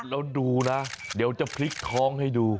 แล้วดูนะเดี๋ยวจะพลิกท้องให้ดู